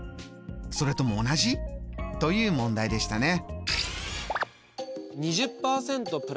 それとも同じ？」という問題でしたね。